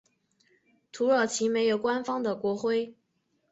土耳其没有官方的国徽。